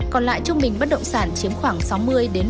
còn lại trung bình bất động sản chiếm khoảng sáu mươi ba mươi